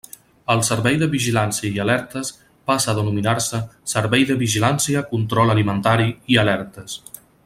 El Servei de Vigilància i Alertes passa a denominar-se Servei de Vigilància, Control Alimentari i Alertes.